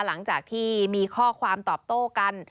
หลังจากที่มีข้อความตอบโต้กัน